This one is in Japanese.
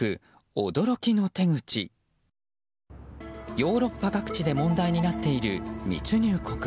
ヨーロッパ各地で問題になっている密入国。